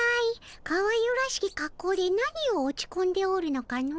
かわゆらしきかっこうで何を落ちこんでおるのかの？